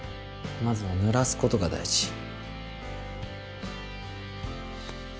まずは濡らすことが大事。